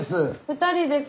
２人です。